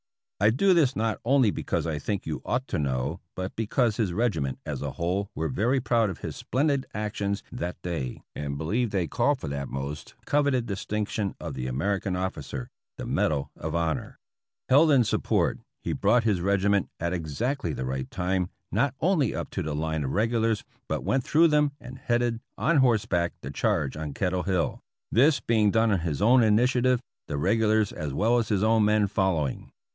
I do this not only because I think you ought to know, but because his regi ment as a whole were very proud of his splendid actions that day and believe they call for that most coveted dis tinction of the American officer, the Medal of Honor. Held in support, he brought his regiment, at exactly the 307 APPENDIX E right time, not only up to the line of regulars, but went through them and headed, on horseback, the charge on Kettle Hill; this being done on his own initiative, the regulars as well as his own men following.